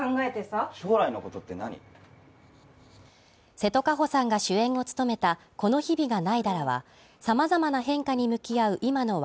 瀬戸かほさんが主演を務めた「この日々が凪いだら」は様々な変化に向き合う